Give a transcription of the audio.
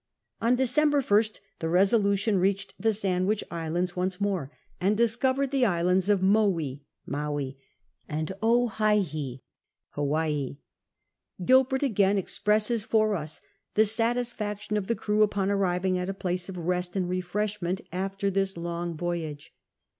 On December 1st the Besiflution reached the Sand wich Islands once more, and discovered the islands of Mowee (Maui) and Owhyhee (Hawaii). Gilbert again expresses for us the satisfaction of the crew upon arriving at a place of rest and refreshment after this long voyage.